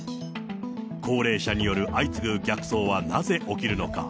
高齢者による相次ぐ逆走はなぜ起きるのか。